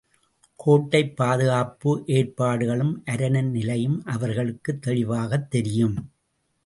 கோட்டைப் பாதுகாப்பு ஏற்பாடுகளும் அரணின் நிலையும் அவர்களுக்குத் தெளிவாகத் தெரியும்.